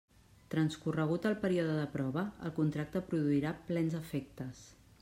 Transcorregut el període de prova, el contracte produirà plens efectes.